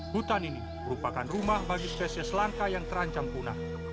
hutan ini merupakan rumah bagi spesies langka yang terancam punah